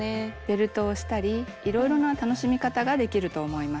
ベルトをしたりいろいろな楽しみ方ができると思います。